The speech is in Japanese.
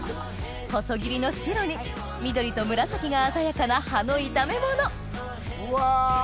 細切りの白に緑と紫が鮮やかな葉の炒め物うわ。